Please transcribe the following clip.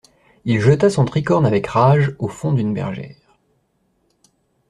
Il jeta son tricorne avec rage au fond d'une bergère.